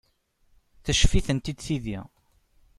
Teccef-itent-id tidi.